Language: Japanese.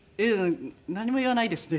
何も言わないですね。